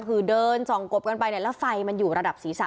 คือเดินส่องกบกันไปเนี่ยแล้วไฟมันอยู่ระดับศีรษะ